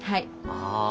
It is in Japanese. ああ。